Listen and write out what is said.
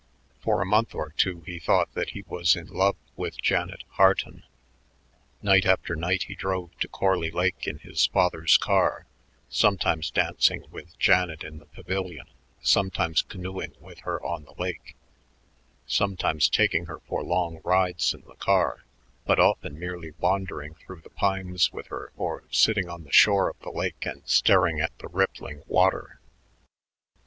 For a month or two he thought that he was in love with Janet Harton. Night after night he drove to Corley Lake in his father's car, sometimes dancing with Janet in the pavilion, sometimes canoeing with her on the lake, sometimes taking her for long rides in the car, but often merely wandering through the pines with her or sitting on the shore of the lake and staring at the rippling water.